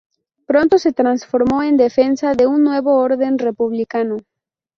Pronto se transformó en defensa de un nuevo orden republicano.